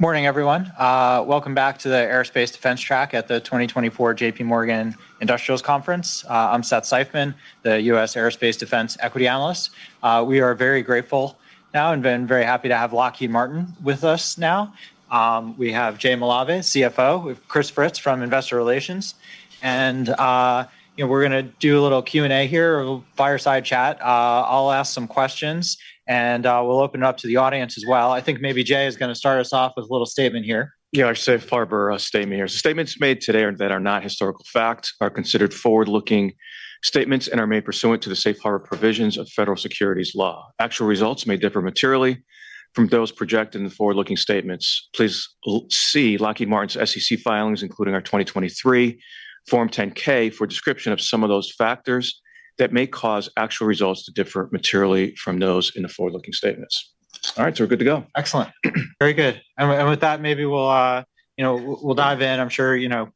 Morning, everyone. Welcome back to the Aerospace Defense Track at the 2024 J.P. Morgan Industrials Conference. I'm Seth Seifman, the U.S. Aerospace Defense Equity Analyst. We are very grateful now and been very happy to have Lockheed Martin with us now. We have Jay Malave, CFO, with Chris Fritz from Investor Relations. And, you know, we're gonna do a little Q&A here, a fireside chat. I'll ask some questions, and, we'll open it up to the audience as well. I think maybe Jay is gonna start us off with a little statement here. Yeah, I'd say Safe Harbor statement here. The statements made today that are not historical fact are considered forward-looking statements, and are made pursuant to the Safe Harbor provisions of federal securities law. Actual results may differ materially from those projected in the forward-looking statements. Please see Lockheed Martin's SEC filings, including our 2023 Form 10-K, for a description of some of those factors that may cause actual results to differ materially from those in the forward-looking statements. All right, so we're good to go. Excellent. Very good. And with that, maybe we'll, you know, we'll dive in. I'm sure, you know,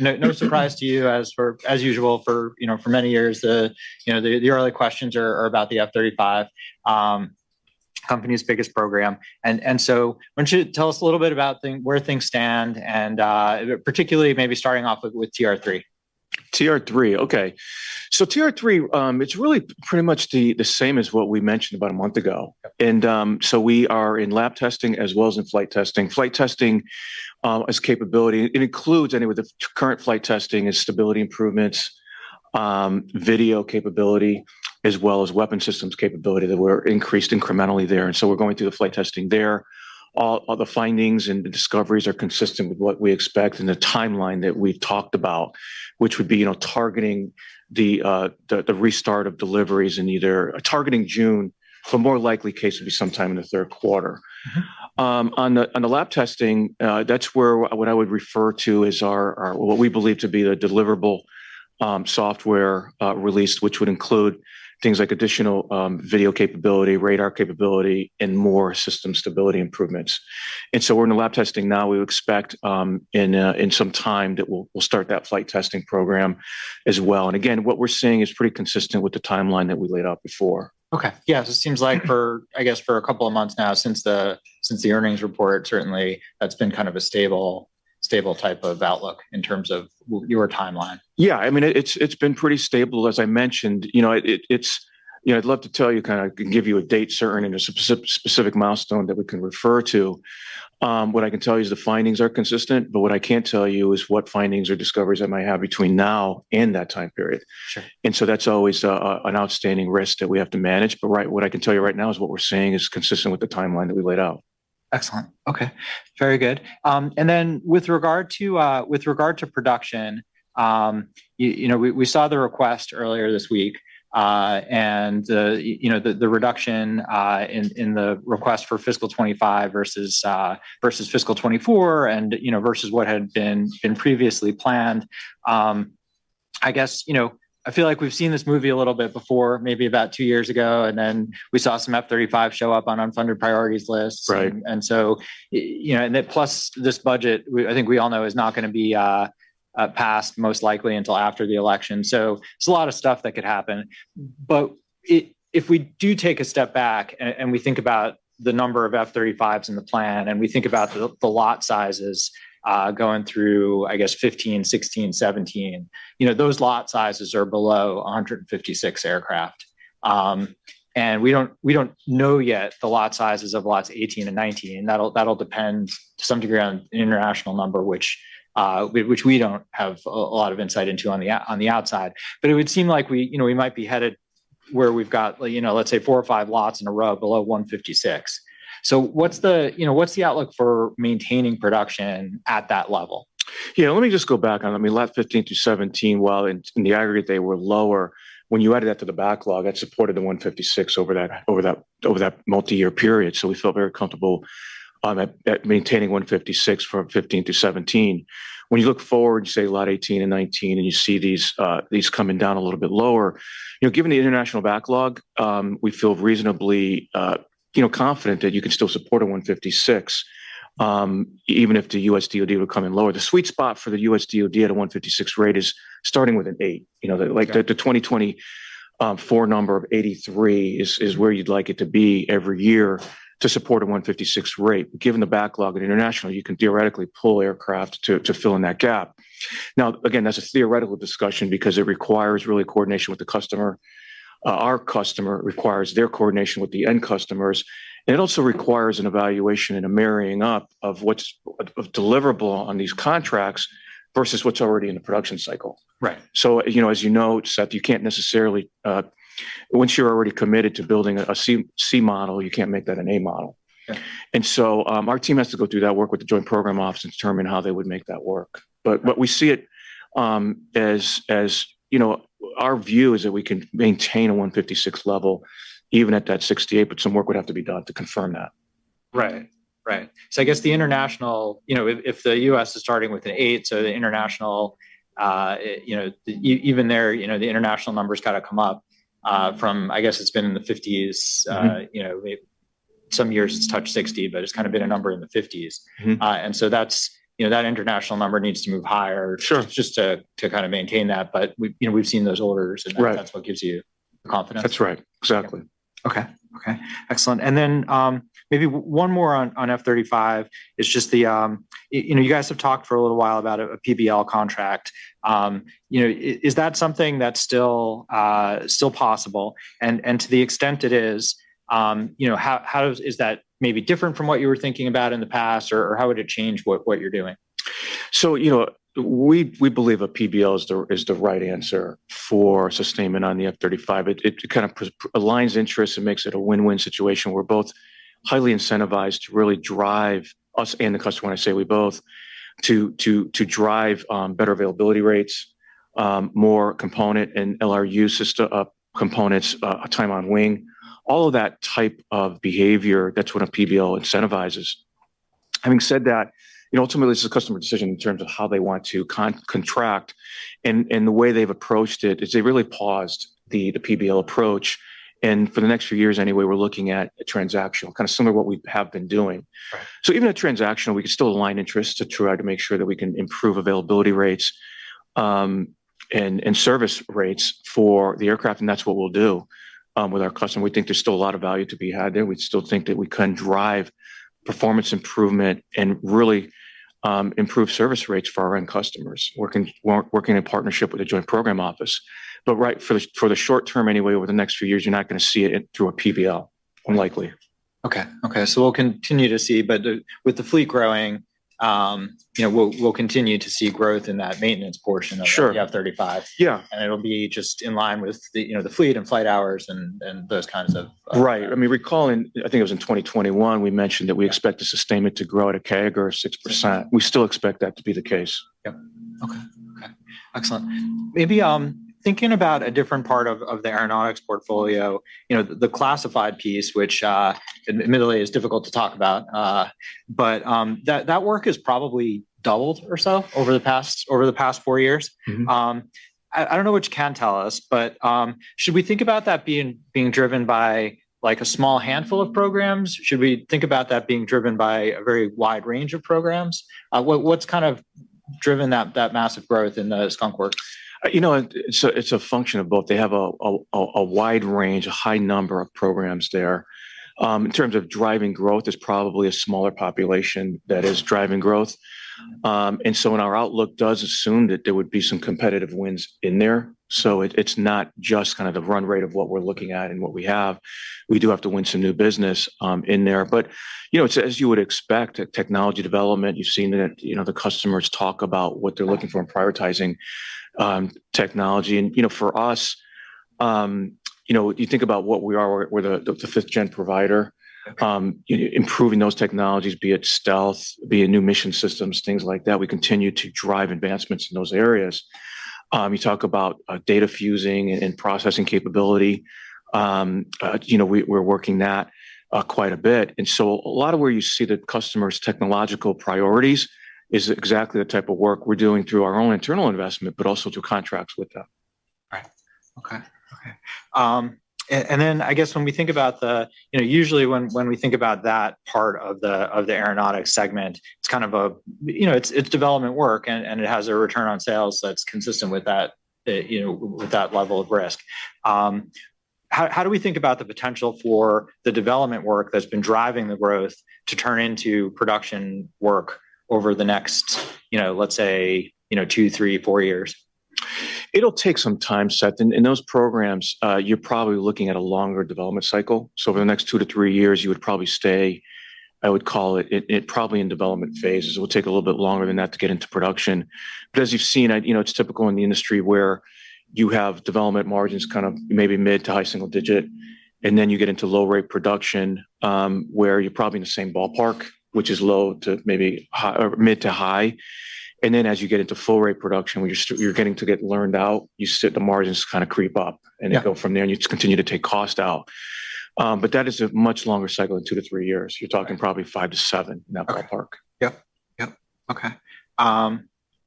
no surprise to you as usual for, you know, for many years, you know, the early questions are about the F-35, company's biggest program. And so why don't you tell us a little bit about things where things stand and, particularly maybe starting off with TR-3. TR-3, okay. So TR-3, it's really pretty much the same as what we mentioned about a month ago. And, so we are in lab testing as well as in flight testing. Flight testing, as capability, it includes anyway, the current flight testing is stability improvements, video capability, as well as weapon systems capability that were increased incrementally there. And so we're going through the flight testing there. All the findings and the discoveries are consistent with what we expect and the timeline that we've talked about, which would be, you know, targeting the restart of deliveries in either targeting June, the more likely case would be sometime in the Q3. On the lab testing, that's where what I would refer to as our what we believe to be the deliverable software release, which would include things like additional video capability, radar capability, and more system stability improvements. And so we're in the lab testing now. We expect in some time that we'll start that flight testing program as well. And again, what we're seeing is pretty consistent with the timeline that we laid out before. Okay. Yeah. So it seems like for, I guess, for a couple of months now since the earnings report, certainly that's been kind of a stable, stable type of outlook in terms of with your timeline. Yeah. I mean, it's, it's been pretty stable, as I mentioned. You know, it, it's, you know, I'd love to tell you kinda give you a date certain and a specific milestone that we can refer to. What I can tell you is the findings are consistent, but what I can't tell you is what findings or discoveries I might have between now and that time period. Sure. So that's always an outstanding risk that we have to manage. But right, what I can tell you right now is what we're seeing is consistent with the timeline that we laid out. Excellent. Okay. Very good. And then with regard to production, you know, we saw the request earlier this week, and, you know, the reduction in the request for fiscal 2025 versus fiscal 2024 and, you know, versus what had been previously planned. I guess, you know, I feel like we've seen this movie a little bit before, maybe about two years ago, and then we saw some F-35 show up on unfunded priorities lists. Right. You know, and then plus this budget, we, I think we all know, is not gonna be passed most likely until after the election. So it's a lot of stuff that could happen. But if we do take a step back and we think about the number of F-35s in the plan, and we think about the Lot sizes going through, I guess, 15, 16, 17, you know, those Lot sizes are below 156 aircraft. And we don't know yet the Lot sizes of Lots 18 and 19. That'll depend to some degree on an international number, which we don't have a lot of insight into on the outside. But it would seem like we, you know, we might be headed where we've got, you know, let's say four or five Lots in a row below 156. So, you know, what's the outlook for maintaining production at that level? Yeah. Let me just go back on it. I mean, Lot 15 through 17, while in the aggregate, they were lower. When you added that to the backlog, that supported the 156 over that multi-year period. So we felt very comfortable at maintaining 156 from 15 through 17. When you look forward, you say Lot 18 and 19, and you see these coming down a little bit lower, you know, given the international backlog, we feel reasonably, you know, confident that you can still support a 156, even if the U.S. DoD would come in lower. The sweet spot for the U.S. DoD at a 156 rate is starting with an 8. You know, the like, the, the FY24 number of 83 is where you'd like it to be every year to support a 156 rate. Given the backlog and international, you can theoretically pull aircraft to fill in that gap. Now, again, that's a theoretical discussion because it requires really coordination with the customer. Our customer requires their coordination with the end customers. And it also requires an evaluation and a marrying up of what's of deliverable on these contracts versus what's already in the production cycle. Right. So, you know, as you know, Seth, you can't necessarily, once you're already committed to building a C model, you can't make that an A model. Yeah. And so, our team has to go through that work with the Joint Program Office and determine how they would make that work. But we see it, as you know, our view is that we can maintain a 156 level even at that 68, but some work would have to be done to confirm that. Right. Right. So I guess the international, you know, if the US is starting with an 8, so the international, you know, even there, you know, the international number's gotta come up, from I guess it's been in the 50s. You know, maybe some years it's touched 60, but it's kinda been a number in the 50s. And so that's you know, that international number needs to move higher. Sure. Just to kinda maintain that. But we, you know, we've seen those orders, and that's. Right. That's what gives you confidence. That's right. Exactly. Okay. Okay. Excellent. And then, maybe one more on F-35 is just the, you know, you guys have talked for a little while about a PBL contract. You know, is that something that's still possible? And to the extent it is, you know, how is that maybe different from what you were thinking about in the past, or how would it change what you're doing? So, you know, we believe a PBL is the right answer for sustainment on the F-35. It kinda aligns interests and makes it a win-win situation where both highly incentivized to really drive us and the customer, and I say we both, to drive, better availability rates, more component and LRU system components, time on wing, all of that type of behavior, that's what a PBL incentivizes. Having said that, you know, ultimately, it's a customer decision in terms of how they want to contract. And the way they've approached it is they really paused the PBL approach. For the next few years anyway, we're looking at a transactional, kinda similar to what we have been doing. Right. So even a transactional, we could still align interests to try to make sure that we can improve availability rates, and service rates for the aircraft. And that's what we'll do, with our customer. We think there's still a lot of value to be had there. We still think that we can drive performance improvement and really, improve service rates for our end customers, working in partnership with the Joint Program Office. But right for the short term anyway, over the next few years, you're not gonna see it through a PBL. Unlikely. Okay. So we'll continue to see. But with the fleet growing, you know, we'll continue to see growth in that maintenance portion of the F-35. Sure. Yeah. It'll be just in line with the, you know, the fleet and flight hours and, and those kinds of, Right. I mean, recall in I think it was in 2021, we mentioned that we expect the sustainment to grow at a CAGR of 6%. We still expect that to be the case. Yep. Okay. Excellent. Maybe, thinking about a different part of the aeronautics portfolio, you know, the classified piece, which, admittedly is difficult to talk about, but, that work has probably doubled or so over the past four years. I don't know what you can tell us, but should we think about that being driven by, like, a small handful of programs? Should we think about that being driven by a very wide range of programs? What's kind of driven that massive growth in the Skunk Works? You know, it's a function of both. They have a wide range, a high number of programs there. In terms of driving growth, there's probably a smaller population that is driving growth. And so in our outlook, it does assume that there would be some competitive wins in there. So it's not just kinda the run rate of what we're looking at and what we have. We do have to win some new business in there. But, you know, it's as you would expect, technology development. You've seen it at, you know, the customers talk about what they're looking for in prioritizing technology. And, you know, for us, you know, you think about what we are. We're the fifth-gen provider. Okay. You know, improving those technologies, be it stealth, be it new mission systems, things like that. We continue to drive advancements in those areas. You talk about data fusing and processing capability. You know, we're working that quite a bit. And so a lot of where you see the customer's technological priorities is exactly the type of work we're doing through our own internal investment but also through contracts with them. Right. Okay. And then I guess when we think about the, you know, usually when we think about that part of the aeronautics segment, it's kind of a, you know, it's development work, and it has a return on sales that's consistent with that, you know, with that level of risk. How do we think about the potential for the development work that's been driving the growth to turn into production work over the next, you know, let's say, two, three, four years? It'll take some time, Seth. Those programs, you're probably looking at a longer development cycle. So over the next 2-3 years, you would probably stay—I would call it—it probably in development phases. It will take a little bit longer than that to get into production. But as you've seen, I, you know, it's typical in the industry where you have development margins kind of maybe mid- to high-single-digit, and then you get into low-rate production, where you're probably in the same ballpark, which is low- to maybe high- or mid- to high. And then as you get into full-rate production, where you're starting you're getting to get learned out, you see the margins kinda creep up. Right. They go from there, and you just continue to take cost out. But that is a much longer cycle than 2-3 years. You're talking probably 5-7 in that ballpark. Okay. Yep. Yep. Okay.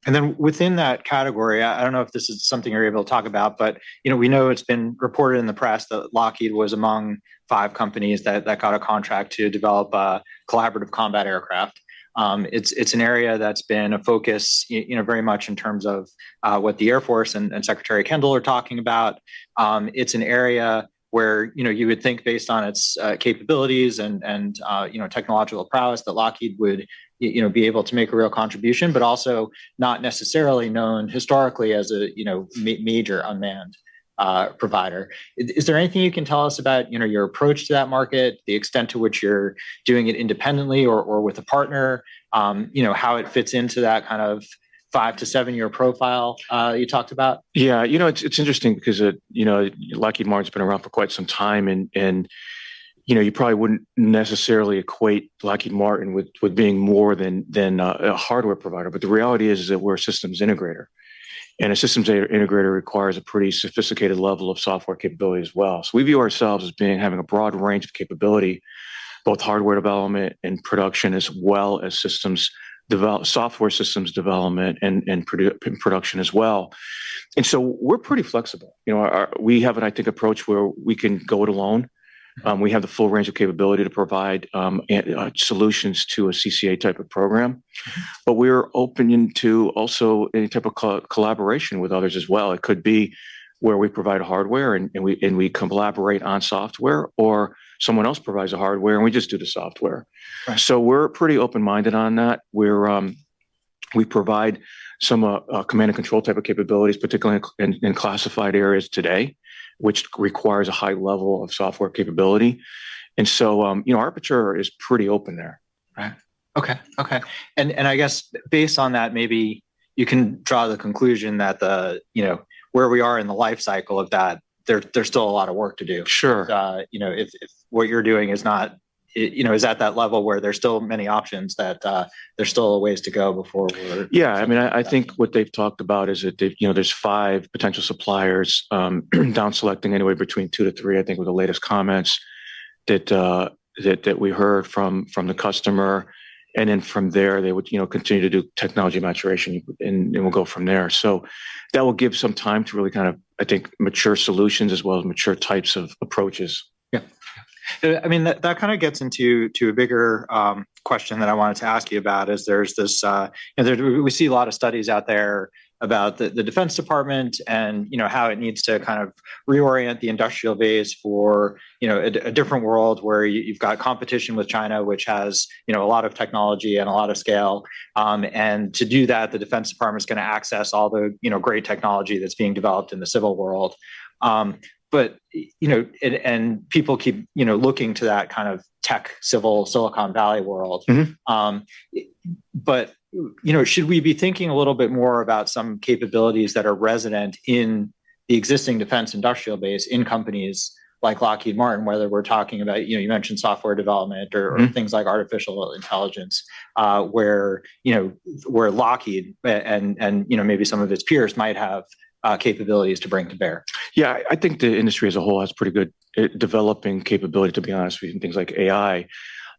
And then within that category, I don't know if this is something you're able to talk about, but, you know, we know it's been reported in the press that Lockheed was among five companies that got a contract to develop a Collaborative Combat Aircraft. It's an area that's been a focus, you know, very much in terms of what the Air Force and Secretary Kendall are talking about. It's an area where, you know, you would think based on its capabilities and, you know, technological prowess that Lockheed would, you know, be able to make a real contribution but also not necessarily known historically as a, you know, major unmanned provider. Is there anything you can tell us about, you know, your approach to that market, the extent to which you're doing it independently or with a partner, you know, how it fits into that kind of 5-7-year profile you talked about? Yeah. You know, it's interesting because, you know, Lockheed Martin's been around for quite some time. And, you know, you probably wouldn't necessarily equate Lockheed Martin with being more than a hardware provider. But the reality is that we're a systems integrator. And a systems integrator requires a pretty sophisticated level of software capability as well. So we view ourselves as being having a broad range of capability, both hardware development and production as well as software systems development and production as well. And so we're pretty flexible. You know, we have an, I think, approach where we can go it alone. We have the full range of capability to provide solutions to a CCA type of program. But we're open to also any type of collaboration with others as well. It could be where we provide hardware, and we collaborate on software, or someone else provides the hardware, and we just do the software. Right. So we're pretty open-minded on that. We provide some command and control type of capabilities, particularly in classified areas today, which requires a high level of software capability. And so, you know, our aperture is pretty open there. Right. Okay. Okay. And, and I guess based on that, maybe you can draw the conclusion that, you know, where we are in the life cycle of that, there's, there's still a lot of work to do. Sure. You know, if, if what you're doing is not I you know, is that that level where there's still many options that, there's still ways to go before we're? Yeah. I mean, I think what they've talked about is that they've you know, there's five potential suppliers, down-selecting anyway between two to three, I think, were the latest comments that we heard from the customer. And then from there, they would, you know, continue to do technology maturation, and we'll go from there. So that will give some time to really kind of, I think, mature solutions as well as mature types of approaches. Yep. Yeah. I mean, that kinda gets into a bigger question that I wanted to ask you about. There's this, you know, we see a lot of studies out there about the Defense Department and, you know, how it needs to kind of reorient the industrial base for, you know, a different world where you've got competition with China, which has, you know, a lot of technology and a lot of scale. And to do that, the Defense Department's gonna access all the, you know, great technology that's being developed in the civil world. But, you know, and people keep, you know, looking to that kind of tech civil Silicon Valley world. But, you know, should we be thinking a little bit more about some capabilities that are resident in the existing defense industrial base in companies like Lockheed Martin, whether we're talking about, you know, you mentioned software development or things like artificial intelligence, where, you know, where Lockheed and, you know, maybe some of its peers might have capabilities to bring to bear? Yeah. I think the industry as a whole has pretty good in developing capability, to be honest, with things like AI.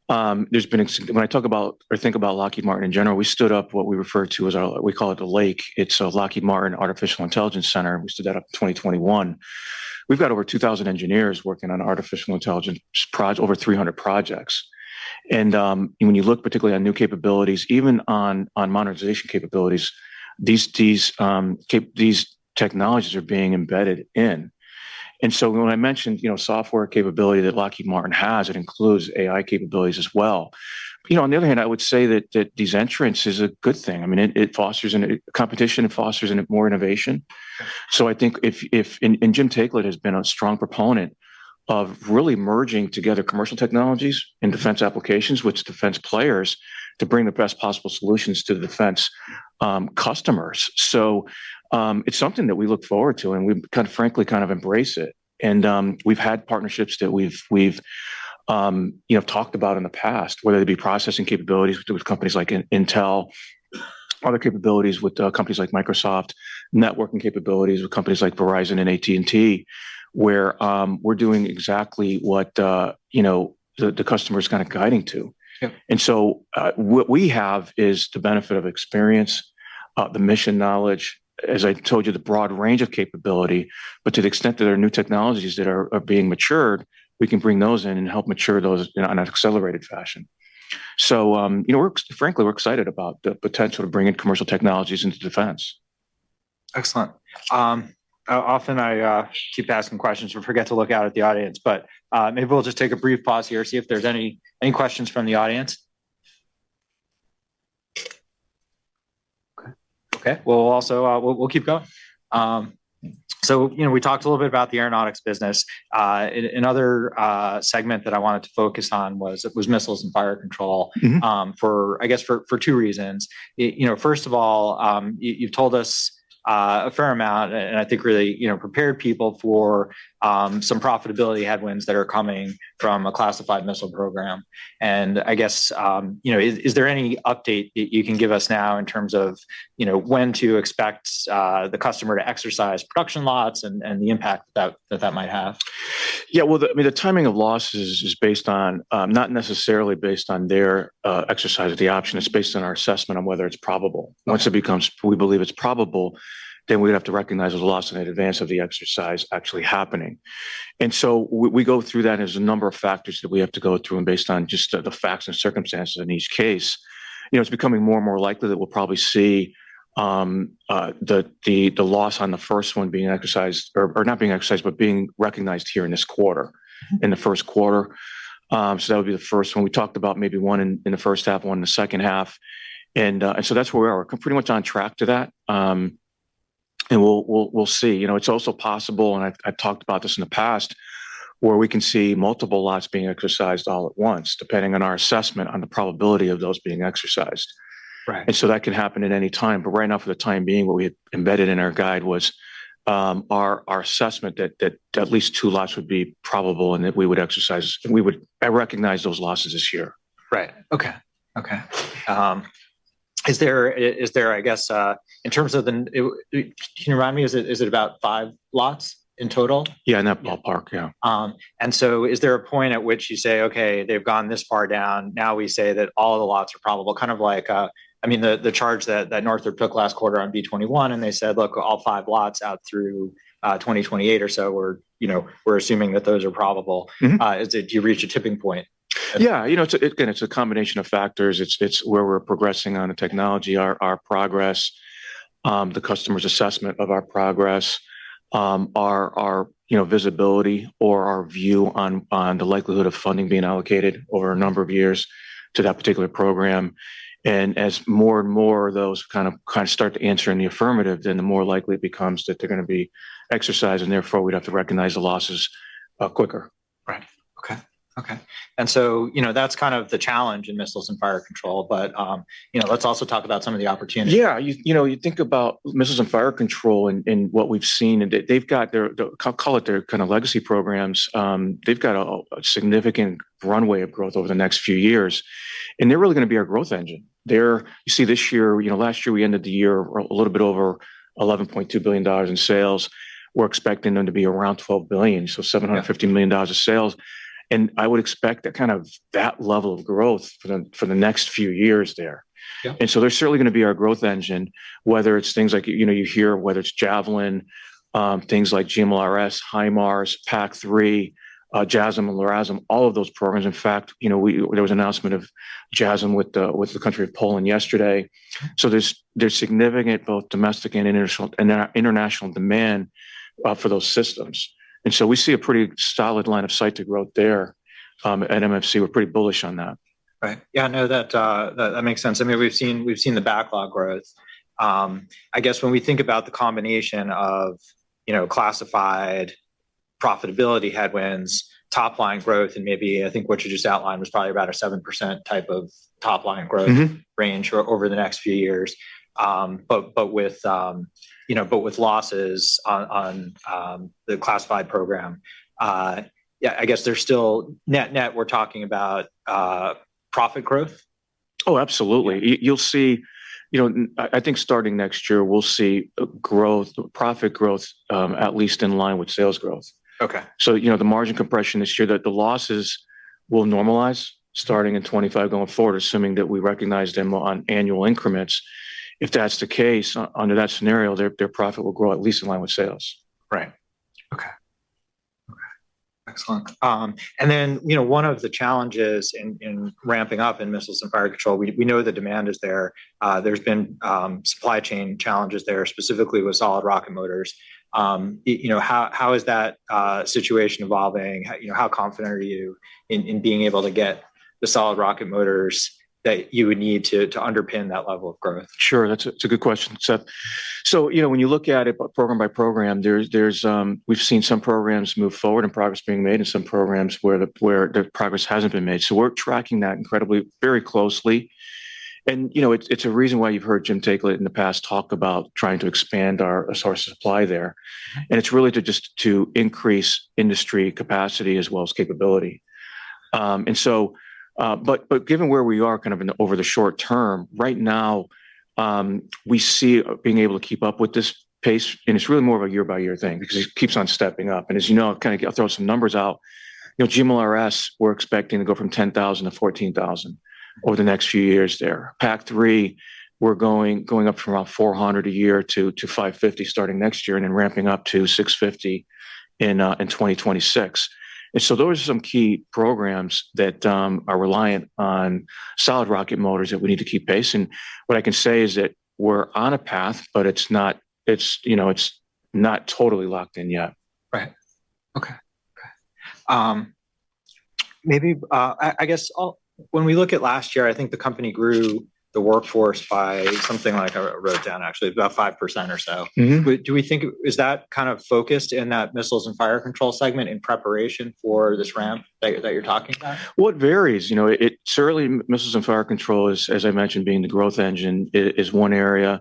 There's been excitement when I talk about or think about Lockheed Martin in general. We stood up what we refer to as our lab. We call it LAIC. It's a Lockheed Martin Artificial Intelligence Center. We stood that up in 2021. We've got over 2,000 engineers working on artificial intelligence projects, over 300 projects. And, you know, when you look particularly on new capabilities, even on modernization capabilities, these technologies are being embedded in. And so when I mentioned, you know, software capability that Lockheed Martin has, it includes AI capabilities as well. You know, on the other hand, I would say that these entrants is a good thing. I mean, it fosters intense competition and fosters intense more innovation. So I think, and Jim Taiclet has been a strong proponent of really merging together commercial technologies and defense applications with defense players to bring the best possible solutions to the defense customers. So, it's something that we look forward to, and we kinda frankly kind of embrace it. And, we've had partnerships that we've, you know, talked about in the past, whether it be processing capabilities with companies like Intel, other capabilities with companies like Microsoft, networking capabilities with companies like Verizon and AT&T, where we're doing exactly what, you know, the customer's kinda guiding to. Yep. And so, what we have is the benefit of experience, the mission knowledge, as I told you, the broad range of capability. But to the extent that there are new technologies that are being matured, we can bring those in and help mature those in an accelerated fashion. So, you know, we're excited, frankly, about the potential to bring in commercial technologies into defense. Excellent. Often I keep asking questions and forget to look out at the audience. But maybe we'll just take a brief pause here, see if there's any questions from the audience. Okay. Okay. Well, we'll also keep going. So, you know, we talked a little bit about the Aeronautics business. Another segment that I wanted to focus on was Missiles and Fire Control. For, I guess, for two reasons. I, you know, first of all, you've told us a fair amount and I think really, you know, prepared people for some profitability headwinds that are coming from a classified missile program. And I guess, you know, is there any update that you can give us now in terms of, you know, when to expect the customer to exercise production Lots and the impact that might have? Yeah. Well, I mean, the timing of losses is based on, not necessarily based on their exercise of the option. It's based on our assessment on whether it's probable. Once it becomes probable, we believe it's probable, then we'd have to recognize there's a loss in advance of the exercise actually happening. And so we go through that as a number of factors that we have to go through and based on just the facts and circumstances in each case. You know, it's becoming more and more likely that we'll probably see the loss on the first one being exercised or not being exercised but being recognized here in this quarter, in the Q1. So that would be the first one. We talked about maybe one in the first half, one in the second half. And so that's where we are. We're coming pretty much on track to that, and we'll see. You know, it's also possible and I've talked about this in the past where we can see multiple Lots being exercised all at once, depending on our assessment on the probability of those being exercised. Right. So that can happen at any time. But right now, for the time being, what we had embedded in our guide was our assessment that at least two Lots would be probable and that we would exercise and we would. I recognize those losses this year. Right. Okay. Okay. Is there, I guess, in terms of the, can you remind me? Is it about five Lots in total? Yeah. In that ballpark. Yeah. And so is there a point at which you say, "Okay. They've gone this far down. Now we say that all the Lots are probable," kind of like, I mean, the charge that Northrop took last quarter on B-21, and they said, "Look, all five Lots out through 2028 or so, we're, you know, we're assuming that those are probable. Is it do you reach a tipping point? Yeah. You know, it's again, it's a combination of factors. It's where we're progressing on the technology, our progress, the customer's assessment of our progress, our visibility or our view on the likelihood of funding being allocated over a number of years to that particular program. And as more and more of those kind of start to answer in the affirmative, then the more likely it becomes that they're gonna be exercised, and therefore, we'd have to recognize the losses quicker. Right. Okay. Okay. And so, you know, that's kind of the challenge in missiles and fire control. But, you know, let's also talk about some of the opportunities. Yeah. You know, you think about Missiles and Fire Control and what we've seen, and they've got their, call it their kind of legacy programs. They've got a significant runway of growth over the next few years. And they're really gonna be our growth engine. There you see this year you know, last year we ended the year at a little bit over $11.2 billion in sales. We're expecting them to be around $12 billion, so $750 million of sales. And I would expect that kind of level of growth for the next few years there. And so they're certainly gonna be our growth engine, whether it's things like you know, you hear whether it's Javelin, things like GMLRS, HIMARS, PAC-3, JASSM and LRASM, all of those programs. In fact, you know, there was announcement of JASSM with the country of Poland yesterday. So there's significant both domestic and international demand for those systems. And so we see a pretty solid line of sight to growth there at MFC. We're pretty bullish on that. Right. Yeah. No, that makes sense. I mean, we've seen the backlog growth. I guess when we think about the combination of, you know, classified profitability headwinds, top-line growth, and maybe I think what you just outlined was probably about a 7% type of top-line growth. Range over the next few years. But with, you know, losses on the classified program, yeah, I guess there's still net, we're talking about profit growth? Oh, absolutely. You'll see, you know, and I think starting next year, we'll see a growth profit growth, at least in line with sales growth. Okay. So, you know, the margin compression this year, that the losses will normalize starting in 2025 going forward, assuming that we recognize them on annual increments. If that's the case, under that scenario, their profit will grow at least in line with sales. Right. Okay. Okay. Excellent. And then, you know, one of the challenges in ramping up in Missiles and Fire Control, we know the demand is there. There's been supply chain challenges there, specifically with solid rocket motors. You know, how is that situation evolving? You know, how confident are you in being able to get the solid rocket motors that you would need to underpin that level of growth? Sure. That's a good question, Seth. So, you know, when you look at it program by program, there's, we've seen some programs move forward and progress being made and some programs where the progress hasn't been made. So we're tracking that incredibly very closely. And, you know, it's a reason why you've heard Jim Taiclet in the past talk about trying to expand our source of supply there. And it's really to just increase industry capacity as well as capability. But given where we are kind of in the short term, right now, we see us being able to keep up with this pace, and it's really more of a year-by-year thing because it keeps on stepping up. And as you know, I'll kinda I'll throw some numbers out. You know, GMLRS, we're expecting to go from 10,000 to 14,000 over the next few years there. PAC-3, we're going up from about 400 a year to 550 starting next year and then ramping up to 650 in 2026. And so those are some key programs that are reliant on solid rocket motors that we need to keep pace. And what I can say is that we're on a path, but it's not, you know, it's not totally locked in yet. Right. Okay. Maybe, I guess I'll when we look at last year, I think the company grew the workforce by something like I wrote down, actually, about 5% or so. What do we think it is that kind of focused in that Missiles and Fire Control segment in preparation for this ramp that you're talking about? Well, it varies. You know, it certainly missiles and fire control is, as I mentioned, being the growth engine. It is one area.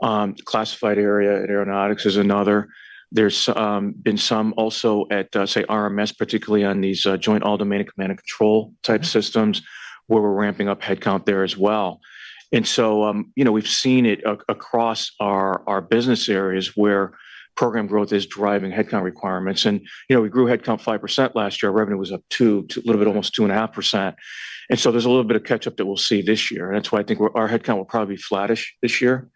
The classified area in aeronautics is another. There's been some also at, say, RMS, particularly on these joint all-domain and command and control type systems where we're ramping up headcount there as well. And so, you know, we've seen it across our business areas where program growth is driving headcount requirements. And, you know, we grew headcount 5% last year. Our revenue was up 2% to a little bit almost 2.5%. And so there's a little bit of catch-up that we'll see this year. And that's why I think our headcount will probably be flattish this year.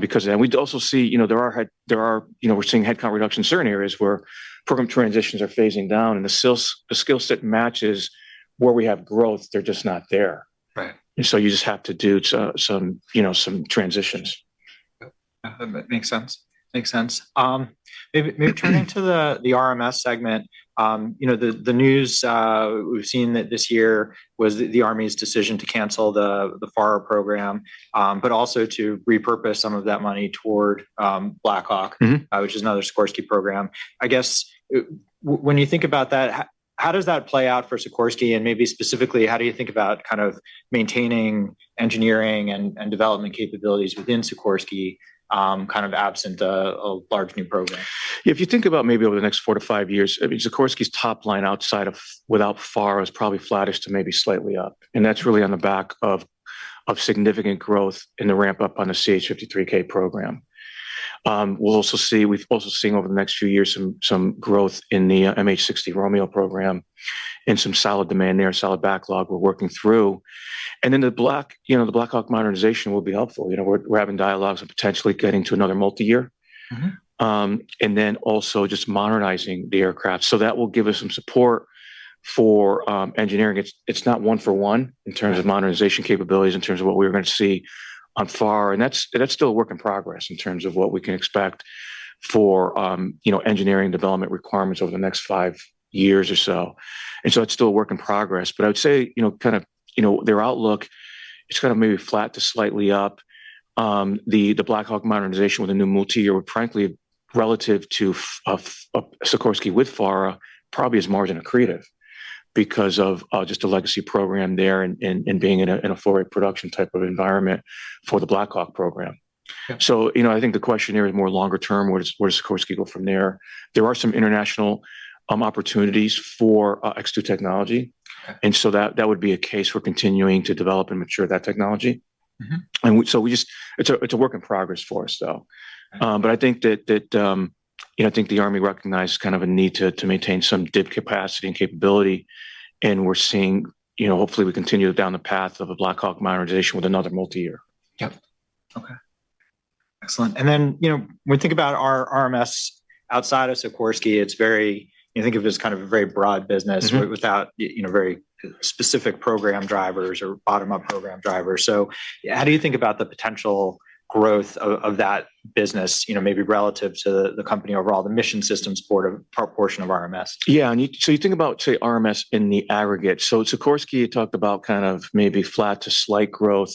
because and we'd also see, you know, there are, you know, we're seeing headcount reduction in certain areas where program transitions are phasing down, and the skill set matches where we have growth. They're just not there. Right. And so you just have to do some, you know, some transitions. Yep. That makes sense. Makes sense. Maybe turning to the RMS segment, you know, the news we've seen that this year was the Army's decision to cancel the FARA program, but also to repurpose some of that money toward Black Hawk. which is another Sikorsky program. I guess when you think about that, how does that play out for Sikorsky? And maybe specifically, how do you think about kind of maintaining engineering and development capabilities within Sikorsky, kind of absent a large new program? Yeah. If you think about maybe over the next 4-5 years, I mean, Sikorsky's top line outside of without FAR is probably flattish to maybe slightly up. And that's really on the back of, of significant growth in the ramp-up on the CH-53K program. We'll also see we've also seen over the next few years some, some growth in the, MH-60 Romeo program and some solid demand there, solid backlog we're working through. And then the Black, you know, the Black Hawk modernization will be helpful. You know, we're, we're having dialogues on potentially getting to another multi-year and then also just modernizing the aircraft. So that will give us some support for engineering. It's not one-for-one in terms of modernization capabilities, in terms of what we are gonna see on FAR. And that's still a work in progress in terms of what we can expect for, you know, engineering development requirements over the next five years or so. And so it's still a work in progress. But I would say, you know, kinda, you know, their outlook. It's kinda maybe flat to slightly up. The Black Hawk modernization with a new multi-year, well, frankly, relative to Sikorsky with FAR, probably is marginally accretive because of just a legacy program there and being in a forward production type of environment for the Black Hawk program. So, you know, I think the question here is more longer term, where does Sikorsky go from there? There are some international opportunities for X2 technology. And so that would be a case for continuing to develop and mature that technology. And so we just—it's a work in progress for us, though. But I think that, you know, I think the Army recognizes kind of a need to maintain some DIB capacity and capability. And we're seeing, you know, hopefully, we continue down the path of a Black Hawk modernization with another multi-year. Yep. Okay. Excellent. And then, you know, when we think about our RMS outside of Sikorsky, it's very you know, think of it as kind of a very broad business. Without, you know, very specific program drivers or bottom-up program drivers. So how do you think about the potential growth of that business, you know, maybe relative to the, the company overall, the mission systems portion of RMS? Yeah. And so you think about, say, RMS in the aggregate, so Sikorsky, you talked about kind of maybe flat to slight growth.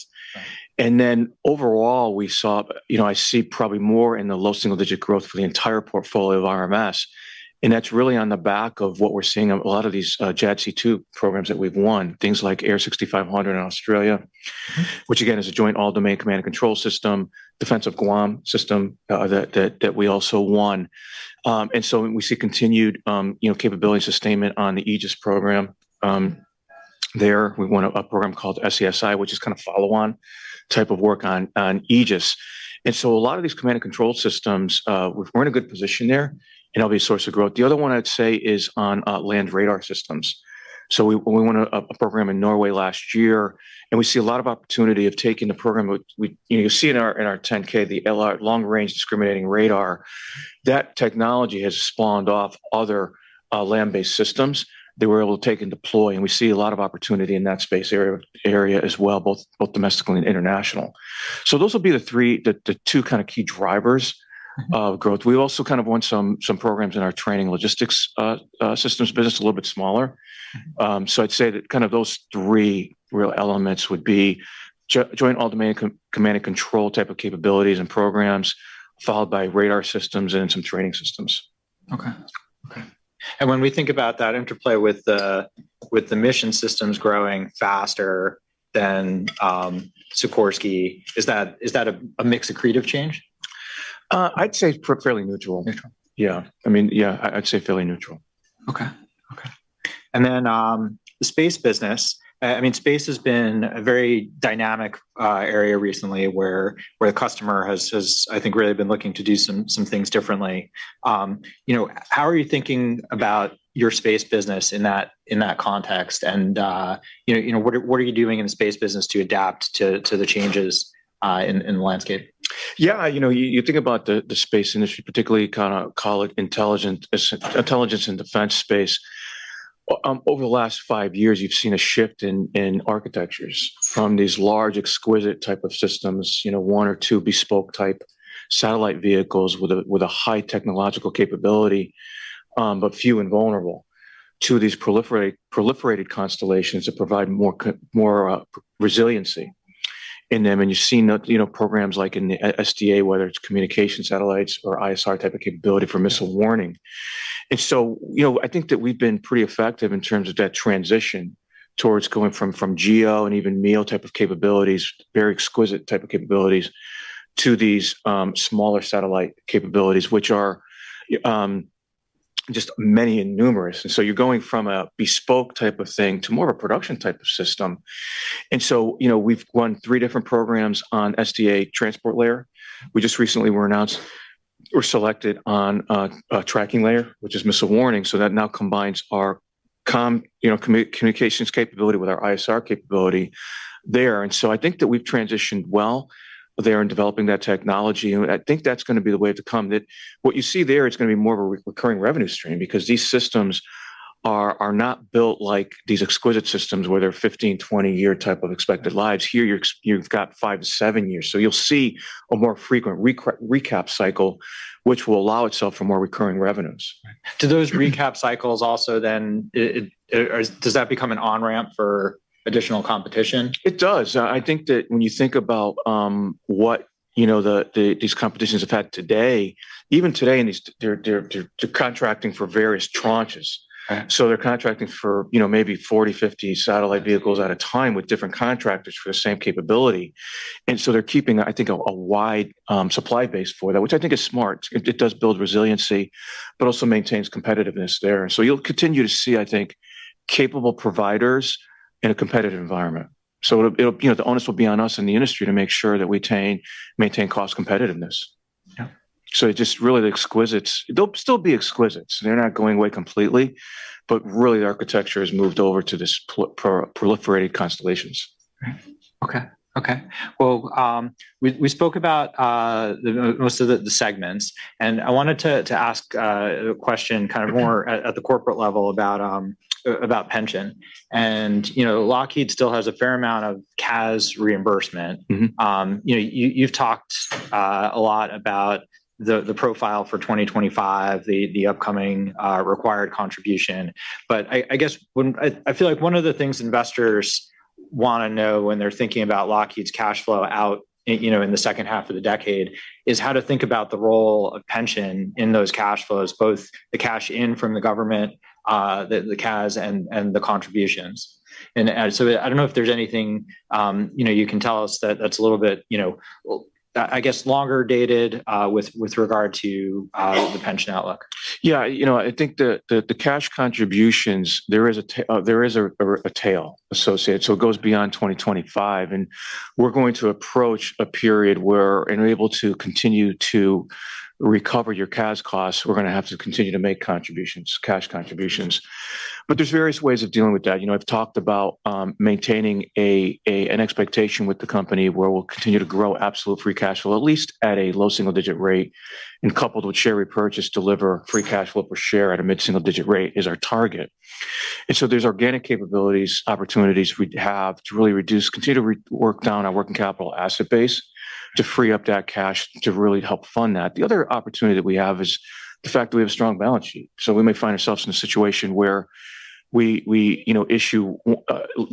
Right. Then overall, we saw, you know, I see probably more in the low single-digit growth for the entire portfolio of RMS. And that's really on the back of what we're seeing of a lot of these JADC2 programs that we've won, things like AIR6500 in Australia. Which, again, is a Joint All-Domain Command and Control system, Defense of Guam system, that we also won. And so we see continued, you know, capability sustainment on the Aegis program. There, we won a program called SESI, which is kinda follow-on type of work on Aegis. And so a lot of these command and control systems, we're in a good position there, and that'll be a source of growth. The other one I'd say is on land radar systems. So we won a program in Norway last year, and we see a lot of opportunity of taking the program. We, you know, you'll see in our 10-K, the LRDR, long-range discriminating radar. That technology has spawned off other land-based systems that we're able to take and deploy. And we see a lot of opportunity in that space area as well, both domestically and international. So those will be the three, the two kinda key drivers of growth. We've also kind of won some programs in our training logistics, systems business, a little bit smaller. So I'd say that kind of those three real elements would be Joint All-Domain Command and Control type of capabilities and programs, followed by radar systems and then some training systems. Okay. Okay. And when we think about that interplay with the mission systems growing faster than Sikorsky, is that a mix accretive change? I'd say pretty fairly neutral. Neutral. Yeah. I mean, yeah, I, I'd say fairly neutral. Okay. And then, the space business—I mean, space has been a very dynamic area recently where the customer has, I think, really been looking to do some things differently. You know, how are you thinking about your space business in that context? And, you know, what are you doing in the space business to adapt to the changes in the landscape? Yeah. You know, you think about the, the space industry, particularly kinda call it intelligence, ISR and defense space, well, over the last five years, you've seen a shift in, in architectures from these large, exquisite type of systems, you know, one or two bespoke type satellite vehicles with a with a high technological capability, but few and vulnerable, to these proliferated constellations that provide more resiliency in them. And you've seen, you know, programs like in the SDA, whether it's communication satellites or ISR type of capability for missile warning. And so, you know, I think that we've been pretty effective in terms of that transition towards going from, from GEO and even MEO type of capabilities, very exquisite type of capabilities, to these, smaller satellite capabilities, which are just many and numerous. And so you're going from a bespoke type of thing to more of a production type of system. And so, you know, we've run three different programs on SDA Transport Layer. We just recently were announced we're selected on a Tracking Layer, which is missile warning. So that now combines our communications capability with our ISR capability there. And so I think that we've transitioned well there in developing that technology. And I think that's gonna be the way to come. That what you see there, it's gonna be more of a recurring revenue stream because these systems are not built like these exquisite systems where they're 15-, 20-year type of expected lives. Here, you've got five to seven years. So you'll see a more frequent recap cycle, which will allow itself for more recurring revenues. Right. Do those recap cycles also then does that become an on-ramp for additional competition? It does. I think that when you think about what, you know, these competitions have had today, even today in these, they're contracting for various tranches. Right. So they're contracting for, you know, maybe 40, 50 satellite vehicles at a time with different contractors for the same capability. They're keeping, I think, a wide supply base for that, which I think is smart. It does build resiliency but also maintains competitiveness there. You'll continue to see, I think, capable providers in a competitive environment. It'll, you know, the onus will be on us in the industry to make sure that we attain and maintain cost competitiveness. So it's just really the exquisites. They'll still be exquisites. They're not going away completely, but really, the architecture has moved over to this proliferated constellations. Right. Okay. Well, we spoke about most of the segments. And I wanted to ask a question kind of more at the corporate level about pension. And, you know, Lockheed still has a fair amount of CAS reimbursement. You know, you've talked a lot about the profile for 2025, the upcoming required contribution. But I guess when I feel like one of the things investors wanna know when they're thinking about Lockheed's cash flow outlook, you know, in the second half of the decade is how to think about the role of pension in those cash flows, both the cash in from the government, the CAS, and the contributions. And so I don't know if there's anything, you know, you can tell us that's a little bit longer dated with regard to the pension outlook. Yeah. You know, I think the cash contributions, there is a tail associated. So it goes beyond 2025. And we're going to approach a period where we're able to continue to recover your CAS costs. We're gonna have to continue to make contributions, cash contributions. But there's various ways of dealing with that. You know, I've talked about maintaining an expectation with the company where we'll continue to grow absolute free cash flow, at least at a low single-digit rate, and coupled with share repurchase deliver free cash flow per share at a mid-single-digit rate is our target. And so there's organic capabilities, opportunities we'd have to really reduce, continue to rework down our working capital asset base to free up that cash to really help fund that. The other opportunity that we have is the fact that we have a strong balance sheet. So we may find ourselves in a situation where we, you know, issue, well,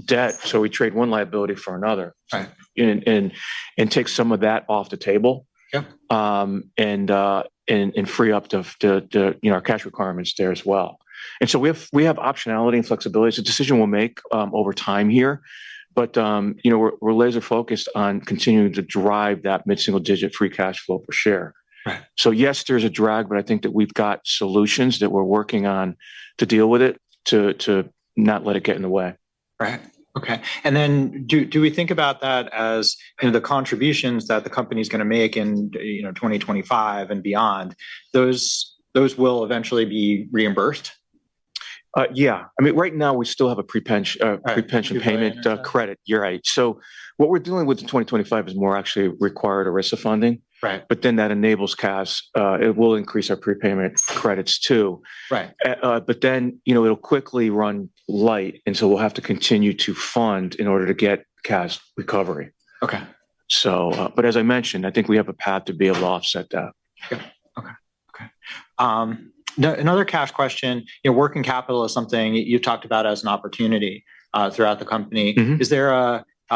debt. So we trade one liability for another. Right. Take some of that off the table. Free up to F-35, you know, our cash requirements there as well. And so we have optionality and flexibility. It's a decision we'll make over time here. But, you know, we're laser-focused on continuing to drive that mid-single-digit free cash flow per share. Right. So yes, there's a drag, but I think that we've got solutions that we're working on to deal with it, to not let it get in the way. Right. Okay. And then do we think about that as, you know, the contributions that the company's gonna make in, you know, 2025 and beyond, those will eventually be reimbursed? Yeah. I mean, right now, we still have a pre-pension, pre-pension payment credit. Right. You're right. What we're dealing with in 2025 is more actually required ERISA funding. Right. But then that enables CAS. It will increase our prepayment credits too. Right. But then, you know, it'll quickly run light. And so we'll have to continue to fund in order to get CAS recovery. Okay. As I mentioned, I think we have a path to be able to offset that. Yep. Okay. Okay. No, another cash question. You know, working capital is something you've talked about as an opportunity, throughout the company. Is there a, you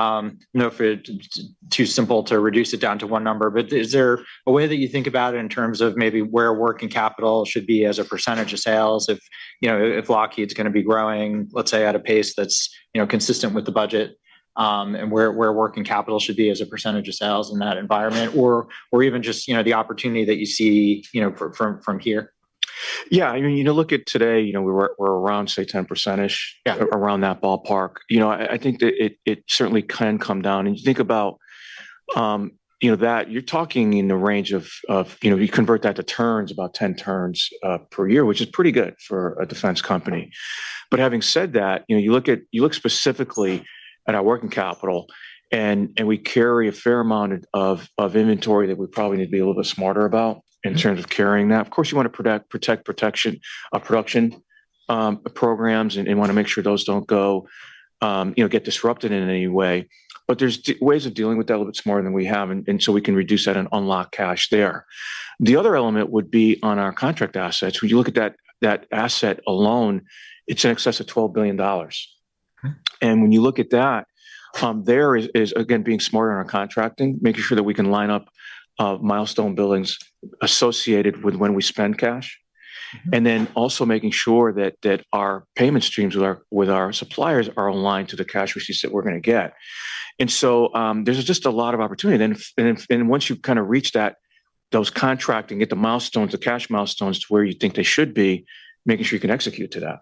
know, if it's too simple to reduce it down to one number, but is there a way that you think about it in terms of maybe where working capital should be as a percentage of sales if, you know, if Lockheed's gonna be growing, let's say, at a pace that's, you know, consistent with the budget, and where working capital should be as a percentage of sales in that environment, or even just, you know, the opportunity that you see, you know, from here? Yeah. I mean, you know, look at today, you know, we're around, say, 10%-ish. Yeah. Around that ballpark. You know, I, I think that it, it certainly can come down. And you think about, you know, that you're talking in the range of, of you know, you convert that to turns, about 10 turns per year, which is pretty good for a defense company. But having said that, you know, you look at you look specifically at our working capital, and, and we carry a fair amount of, of inventory that we probably need to be a little bit smarter about in terms of carrying that. Of course, you wanna protect protect protection, production programs and, and wanna make sure those don't go, you know, get disrupted in any way. But there are ways of dealing with that a little bit smarter than we have. And, and so we can reduce that and unlock cash there. The other element would be on our contract assets. When you look at that, that asset alone, it's in excess of $12 billion. Okay. When you look at that, there is again being smarter in our contracting, making sure that we can line up milestone billings associated with when we spend cash, and then also making sure that our payment streams with our suppliers are aligned to the cash receipts that we're gonna get. So, there's just a lot of opportunity. Then once you've kinda reached that, those contracting, get the milestones, the cash milestones to where you think they should be, making sure you can execute to that.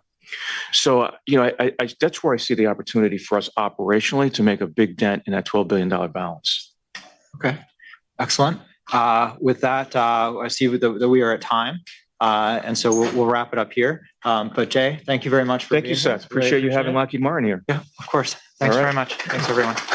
So, you know, that's where I see the opportunity for us operationally to make a big dent in that $12 billion balance. Okay. Excellent. With that, I see that we are at time. And so we'll, we'll wrap it up here. But Jay, thank you very much for being here. Thank you, Seth. Appreciate you having Lockheed Martin here. Yeah. Of course. Thanks very much. Thanks. Thanks, everyone.